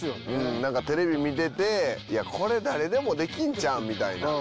なんかテレビ見てていやこれ誰でもできんちゃう？みたいな。